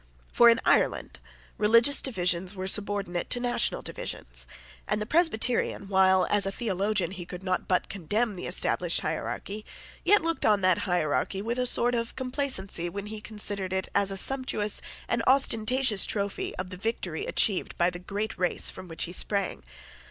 For in Ireland religious divisions were subordinate to national divisions; and the Presbyterian, while, as a theologian, he could not but condemn the established hierarchy, yet looked on that hierarchy with a sort of complacency when he considered it as a sumptuous and ostentatious trophy of the victory achieved by the great race from which he sprang.